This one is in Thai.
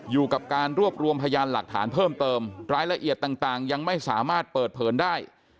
อยู่กับการรวบรวมพยานหลักฐานเพิ่มเติมรายละเอียดต่างยังไม่สามารถเปิดเผยได้